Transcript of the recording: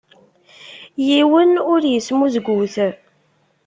Yiwen ur ismuzgut.